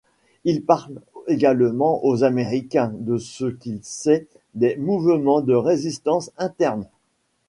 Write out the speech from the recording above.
Il parle également aux américains de ce qu’il sait des mouvements de résistance internes.